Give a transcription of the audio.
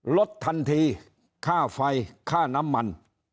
ลดทันทีค่าไฟค่าน้ำมัน